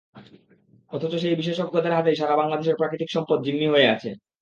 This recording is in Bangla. অথচ সেই বিশেষজ্ঞদের হাতেই সারা বাংলাদেশের প্রাকৃতিক সম্পদ জিম্মি হয়ে আছে।